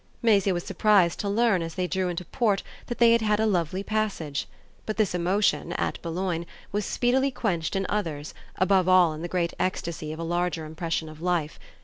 Maisie was surprised to learn as they drew into port that they had had a lovely passage; but this emotion, at Boulogne, was speedily quenched in others, above all in the great ecstasy of a larger impression of life.